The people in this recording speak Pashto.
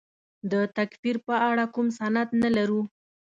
د تکفیر په اړه کوم سند نه لرو.